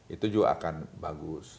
itu juga akan bagus